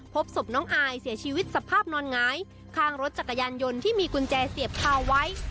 พบศพน้องอายเสียชีวิตสภาพนอนหงายข้างรถจักรยานยนต์ที่มีกุญแจเสียบคาไว้